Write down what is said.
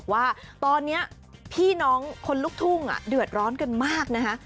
ว่าตอนนี้พี่น้องคนลุกทุ่งเดือดร้อนกันมากนะคะ